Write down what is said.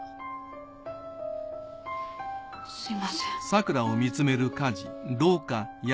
すみません。